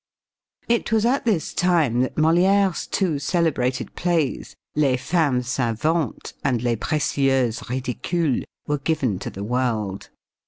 It was at this time that Molière's two celebrated plays, Les Femmes Savantes and Les Précieuses Ridicules, were given to the world.